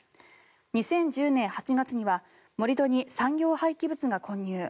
２０１０年８月には盛り土に産業廃棄物が混入。